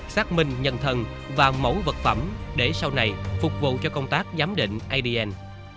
xác minh nhân thân và mẫu vật phẩm để sau này phục vụ cho công tác giám định adn